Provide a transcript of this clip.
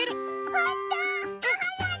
ほんと？